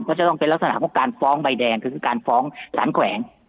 ก็จะต้องเป็นลักษณะของการฟ้องใบแดงคือการฟ้องสารแขวง